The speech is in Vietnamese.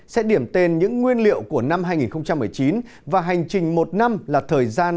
sẽ điểm tên những nguyên liệu của năm hai nghìn một mươi chín và hành trình một năm là thời gian